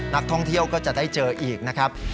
นักท่องเที่ยวก็จะได้เจออีกนะครับ